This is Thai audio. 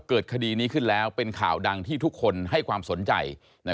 คดีนี้ขึ้นแล้วเป็นข่าวดังที่ทุกคนให้ความสนใจ